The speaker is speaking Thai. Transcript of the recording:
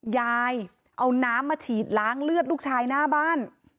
ยายเอาน้ำมาฉีดล้างเลือดลูกชายหน้าบ้าน